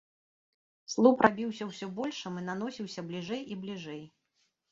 Слуп рабіўся ўсё большым і наносіўся бліжэй і бліжэй.